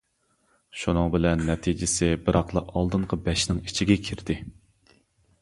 شۇنىڭ بىلەن نەتىجىسى بىراقلا ئالدىنقى بەشنىڭ ئىچىگە كىردى.